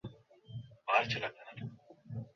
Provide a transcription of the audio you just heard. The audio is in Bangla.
কিন্তু মানুষের চুপ করিয়া থাকারও প্রয়োজন আছে।